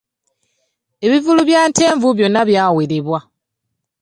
Ebivvulu bya Ntenvu byonna byawerebwa.